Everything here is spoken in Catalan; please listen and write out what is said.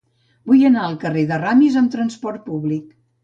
Vull anar al carrer de Ramis amb trasport públic.